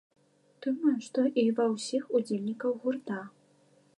Думаю, што і ўва ўсіх удзельнікаў гурта.